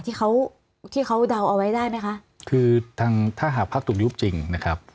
ที่เขาที่เขาเดาเอาไว้ได้ไหมคะคือทางถ้าหากพักถูกยุบจริงนะครับ